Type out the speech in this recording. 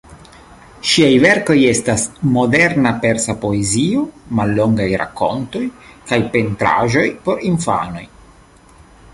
Ŝiaj verkoj estas moderna Persa poezio, mallongaj rakontoj, kaj pentraĵoj por infanoj.